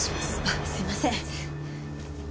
すいません。